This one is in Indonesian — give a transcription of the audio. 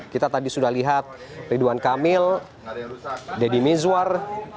kita tadi sudah lihat ridwan kamil deddy mizwar